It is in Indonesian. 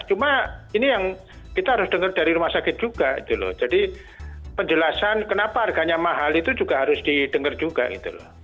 cuma ini yang kita harus dengar dari rumah sakit juga gitu loh jadi penjelasan kenapa harganya mahal itu juga harus didengar juga gitu loh